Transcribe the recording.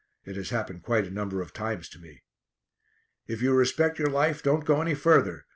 It has happened quite a number of times to me!" "If you respect your life don't go any further.